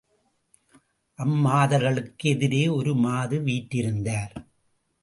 அம்மாதர்களுக்கு எதிரே ஒரு மாது வீற்றிருந்தார்.